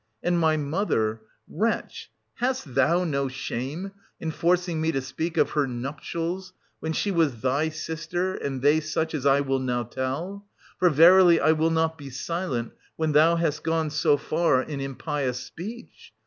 And my mother — wretch, hast thou no shame in forcing me to speak of her nuptials, when she was thy sister, and they such as I will now tell — for verily I will 980 not be silent, when thou hast gone so far in impious speech.